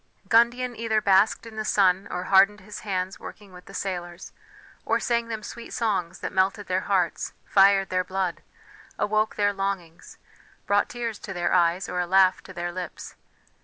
Gundian either basked in the sun, or hardened his hands working with the sailors, or sang them sweet songs that melted their hearts, fired their blood, awoke their longings, brought tears to their eyes, or a laugh to their lips.